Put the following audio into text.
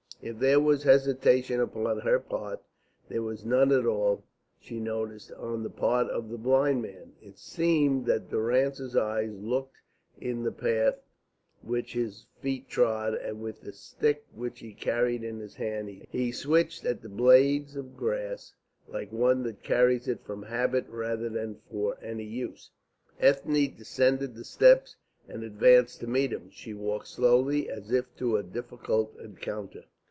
If there was hesitation upon her part, there was none at all, she noticed, on the part of the blind man. It seemed that Durrance's eyes took in the path which his feet trod, and with the stick which he carried in his hand he switched at the blades of grass like one that carries it from habit rather than for any use. Ethne descended the steps and advanced to meet him. She walked slowly, as if to a difficult encounter.